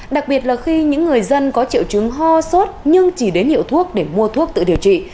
đặc biệt là khi những người dân có triệu chứng ho sốt nhưng chỉ đến hiệu thuốc để mua thuốc tự điều trị